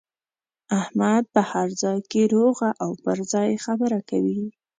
احمد په هر ځای کې روغه او پر ځای خبره کوي.